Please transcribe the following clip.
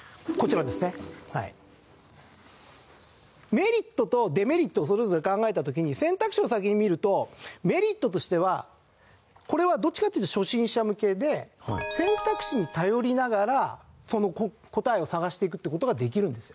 メリットとデメリットをそれぞれ考えた時に選択肢を先に見るとメリットとしてはこれはどっちかというと初心者向けで選択肢に頼りながら答えを探していくって事ができるんですよ。